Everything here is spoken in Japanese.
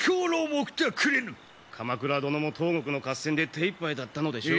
鎌倉殿も東国の合戦で手いっぱいだったのでしょう。